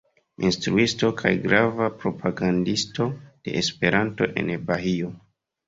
Instruisto kaj grava propagandisto de Esperanto en Bahio.